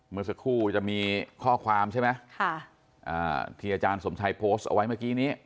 เมื่อสักครู่จะมีข้อความใช่ไหมค่ะอ่าที่อาจารย์สมชัยโพสต์เอาไว้เมื่อกี้นี้